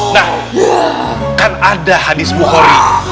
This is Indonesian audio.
nah kan ada hadis mukhori